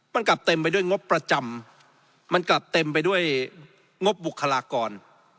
มันกลับเต็มไปด้วยงบประจำมันกลับเต็มไปด้วยงบบุคลากร